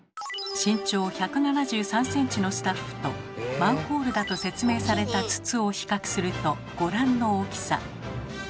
身長１７３ｃｍのスタッフとマンホールだと説明された筒を比較するとご覧の大きさ。